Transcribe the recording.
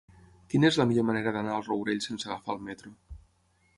Quina és la millor manera d'anar al Rourell sense agafar el metro?